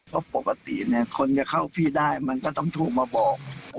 เพราะปกติเนี่ยคนจะเข้าพี่ได้มันก็ต้องโทรมาบอก